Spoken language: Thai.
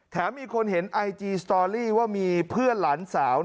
มีคนเห็นไอจีสตอรี่ว่ามีเพื่อนหลานสาว